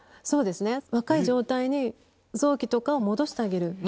そうですね、若い状態に臓器とかを戻してあげる。